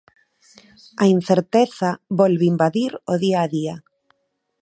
A incerteza volve invadir o día a día.